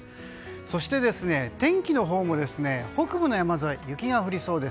そして、天気のほうも北部の山沿い雪が降りそうです。